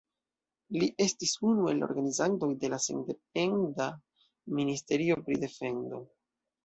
Li estis unu el la organizantoj de la sendependa ministerio pri defendo.